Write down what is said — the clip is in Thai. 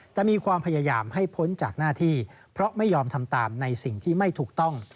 แต่มีความพยายามให้พ้นจากหน้าที่เพราะไม่ยอมทำตามในสิ่งที่ไม่ถูกต้อง